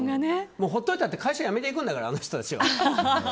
ほっといたって会社辞めていくんだからあの人たちは。